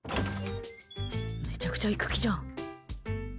めちゃくちゃ行く気じゃん。